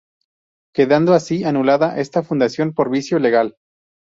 Quedando así anulada esta fundación por vicio legal.